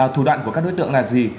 thủ đoạn của các đối tượng là gì